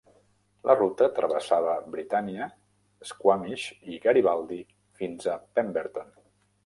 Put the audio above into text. La ruta travessava Britannia, Squamish i Garibaldi fins a Pemberton.